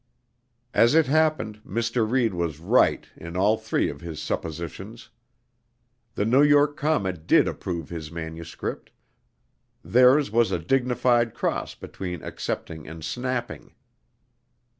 As it happened, Mr. Reid was right in all three of his suppositions. The New York Comet did approve his manuscript: theirs was a dignified cross between accepting and snapping.